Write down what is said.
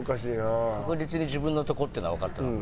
確実に自分のとこっていうのはわかった感じ。